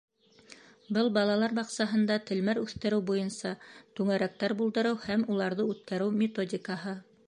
Был балалар баҡсаһында телмәр үҫтереү буйынса түңәрәктәр булдырыу һәм уларҙы үткәреү методикаһы.